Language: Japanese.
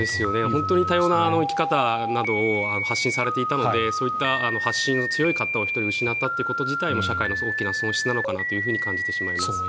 本当に多様な生き方などを発信されていたのでそういった発信の強い方を１人失ったことという自体も社会の大きな損失なのかなとも感じます。